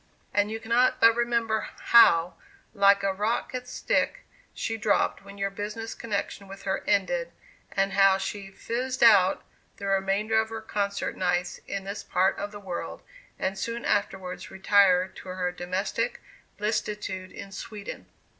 And you cannot but remember, how, like a rocket stick she dropped, when your business connection with her ended, and how she 'fizzed out' the remainder of her concert nights in this part of the world, and soon afterwards retired to her domestic blissitude in Sweden.